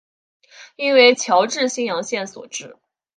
应为侨置新阳县所置。